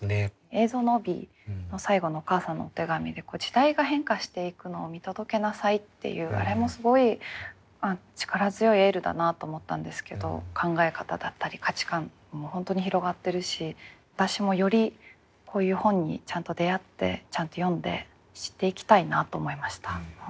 映像の帯の最後のお母さんのお手紙で「時代が変化していくのを見届けなさい」っていうあれもすごい力強いエールだなと思ったんですけど考え方だったり価値観も本当に広がってるし私もよりこういう本にちゃんと出会ってちゃんと読んで知っていきたいなと思いました。